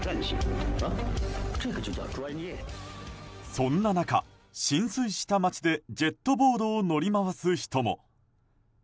そんな中、浸水した街でジェットボードを乗り回す人も。